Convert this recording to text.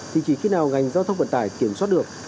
thì chỉ khi nào ngành giao thông vận tải kiểm soát được